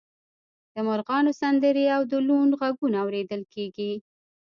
د مرغانو سندرې او د لوون غږونه اوریدل کیږي